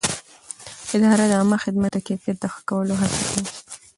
اداره د عامه خدمت د کیفیت د ښه کولو هڅه کوي.